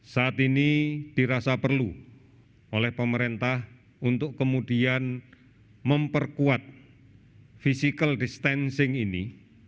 saat ini dirasa perlu oleh pemerintah untuk kemudian memperkuat physical distancing ini